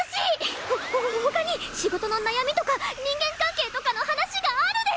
ほほほほ他に仕事の悩みとか人間関係とかの話があるでしょう！